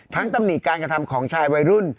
ตำหนิการกระทำของชายวัยรุ่น